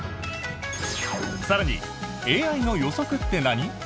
更に、ＡＩの予測って何？